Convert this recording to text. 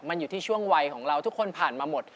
มันอยู่ที่ช่วงวัยของเราทุกคนผ่านมาหมด